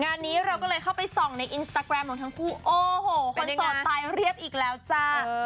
งานนี้เราก็เลยเข้าไปส่องในอินสตาแกรมของทั้งคู่โอ้โหคนโสดตายเรียบอีกแล้วจ้า